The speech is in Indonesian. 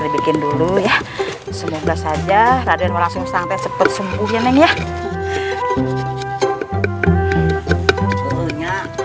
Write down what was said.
bikin dulu ya semoga saja ada yang langsung santai cepet sumpuhnya neng ya